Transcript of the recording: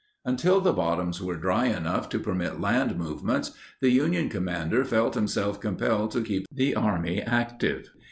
Until the bottoms were dry enough to permit land movements, the Union commander felt himself compelled to keep the army active.